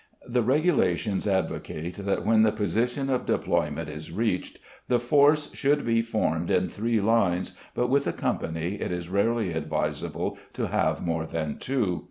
The Regulations advocate that when the position of deployment is reached the force should be formed in three lines, but with a company it is rarely advisable to have more than two.